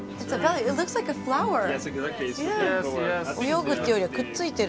泳ぐっていうよりはくっついてる。